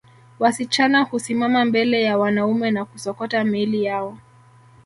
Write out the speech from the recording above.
Wasichana husimama mbele ya wanaume na kusokota miili yao